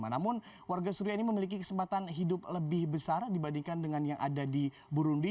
namun warga suria ini memiliki kesempatan hidup lebih besar dibandingkan dengan yang ada di burundi